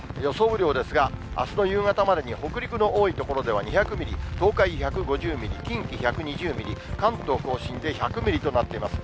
雨量ですが、あすの夕方までに北陸の多い所では２００ミリ、東海１５０ミリ、近畿１２０ミリ、関東甲信で１００ミリとなってます。